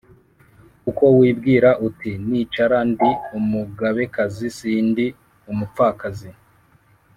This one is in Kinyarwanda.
kuko wibwira uti ‘Nicara ndi umugabekazi sindi umupfakazi,